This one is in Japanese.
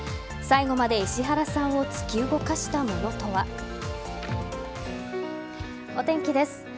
最後まで石原さんを突き動かしたものとは。お天気です。